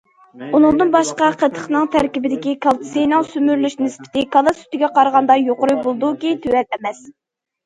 ئۇنىڭدىن باشقا، قېتىقنىڭ تەركىبىدىكى كالتسىينىڭ سۈمۈرۈلۈش نىسبىتى كالا سۈتىگە قارىغاندا يۇقىرى بولىدۇكى تۆۋەن ئەمەس.